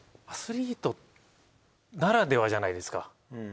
アスリートならではじゃないですか。